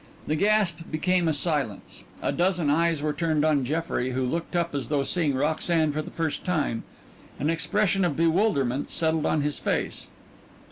The gasp became a silence. A dozen eyes were turned on Jeffrey, who looked up as though seeing Roxanne for the first time. An expression of bewilderment settled on his face.